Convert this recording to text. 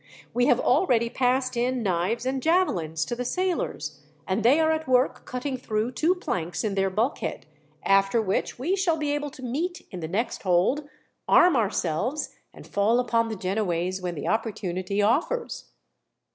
We have already passed in knives and javelins to the sailors, and they are at work cutting through two planks in their bulkhead; after which we shall be able to meet in the next hold, arm ourselves, and fall upon the Genoese when the opportunity offers."